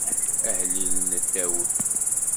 Ahellil n Dawed.